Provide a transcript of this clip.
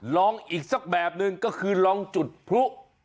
ลองอีกสักแบบหนึ่งก็คือลองจุดพลุ